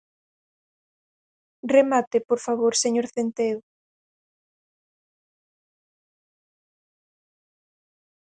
Remate, por favor, señor Centeo.